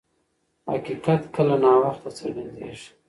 حقیقت کله ناوخته څرګندیږي.